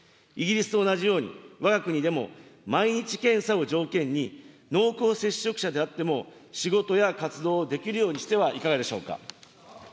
イギリスと同じように、わが国でも毎日検査を条件に、濃厚接触者であっても、仕事や活動をできるようにしてはいかがでしょうか。